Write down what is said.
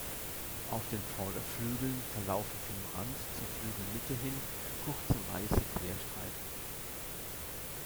Auf den Vorderflügeln verlaufen vom Rand zur Flügelmitte hin kurze, weiße Querstreifen.